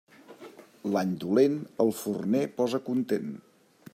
L'any dolent al forner posa content.